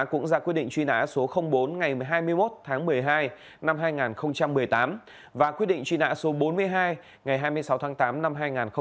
cũng ra quyết định truy nã số bốn ngày hai mươi một tháng một mươi hai năm hai nghìn một mươi tám và quyết định truy nã số bốn mươi hai ngày hai mươi sáu tháng tám năm hai nghìn một mươi bảy